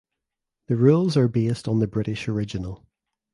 The rules are based on the British original.